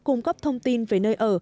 cung cấp thông tin về nơi ở